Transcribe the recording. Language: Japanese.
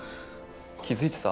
気付いてた？